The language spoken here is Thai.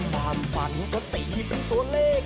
ความฝันก็ตีเป็นตัวเลข